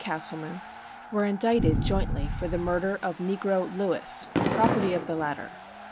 Castleman were indicted jointly for the murder of negro Lewis, property of the latter.